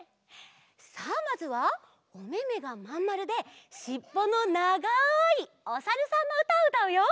さあまずはおめめがまんまるでしっぽのながいおさるさんのうたをうたうよ！